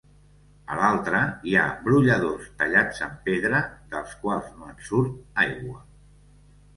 A l'altra, hi ha brolladors tallats en pedra, dels quals no en surt aigua.